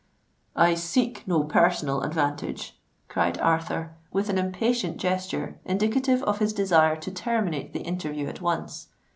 "I seek no personal advantage," cried Arthur, with an impatient gesture, indicative of his desire to terminate the interview at once.